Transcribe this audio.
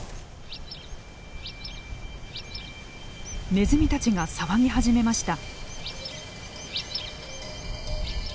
ネズミたちが騒ぎ始めました。